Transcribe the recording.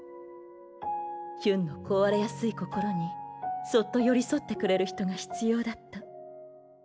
ヒュンの壊れやすい心にそっと寄り添ってくれる人が必要だった。